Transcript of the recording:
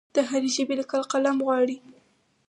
د هرې ژبې لیکل قلم غواړي.